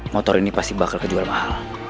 motor ini pasti bakal kejual mahal